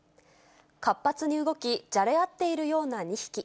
活発に動き、じゃれ合っているような２匹。